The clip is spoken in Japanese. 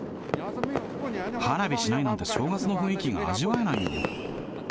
花火しないなんて、正月の雰囲気が味わえないよ。